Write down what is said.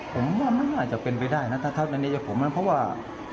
ผมว่ามันน่าจะเป็นไปได้นะถ้าเท่านั้นเนี้ยจะผมน่ะ